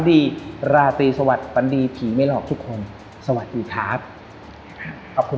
ดีราตรีสวัสดีฝันดีผีไม่หลอกทุกคนสวัสดีครับขอบคุณ